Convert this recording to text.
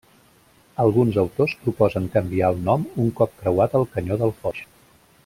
Alguns autors proposen canviar el nom un cop creuat el Canyó del Foix.